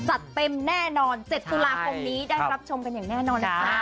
จัดเต็มแน่นอน๗ตุลาคมนี้ได้รับชมกันอย่างแน่นอนนะจ๊ะ